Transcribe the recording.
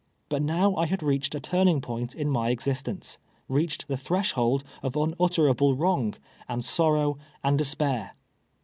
But now I had reached a turning point in my existence — reach ed the threshold of tmutteraljle wrong, and sorrow, and (.li>. pair.